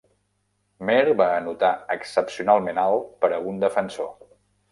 Meir va anotar excepcionalment alt per a un defensor.